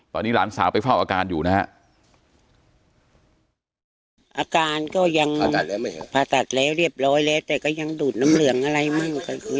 ตอนนี้หลานสาวไปเฝ้าอาการอยู่นะฮะ